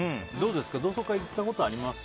同窓会行ったことあります？